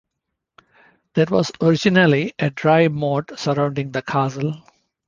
There was originally a dry moat surrounding the castle.